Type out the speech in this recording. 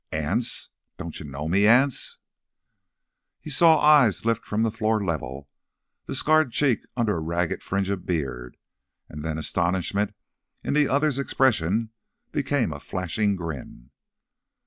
"Anse! Don't you know me, Anse?" He saw eyes lift from the floor level, the scarred cheek under a ragged fringe of beard; and then astonishment in the other's expression became a flashing grin.